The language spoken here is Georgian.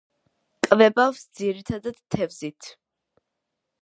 კვებავს ძირითადად თევზით.